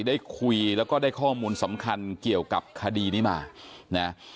ได้คุยแล้วก็ได้ข้อมูลสำคัญเกี่ยวกับคดีนี้มานะ